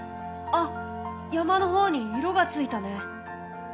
あ山の方に色がついたね！